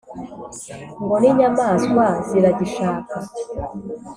ngo n’inyamaswa ziragishaka